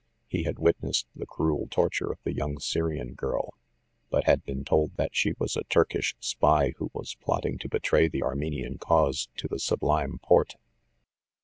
He had witnessed the cruel torture of the young Syrian girl ; but had been told that she was a Turkish spy who was plotting to betray the Armenian cause to the Sublime Porte.